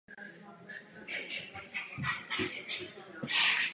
V programu Skylab vedl pokusy ultrafialové astronomie.